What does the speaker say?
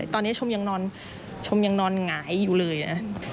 ตอนนี้ชมยังนอนหงายอยู่เลยนะ